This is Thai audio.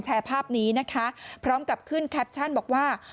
ภาพนี้นะคะพร้อมกับขึ้นแคปชั่นบอกว่า